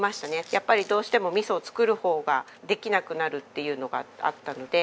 やっぱりどうしても味噌を作る方ができなくなるっていうのがあったので。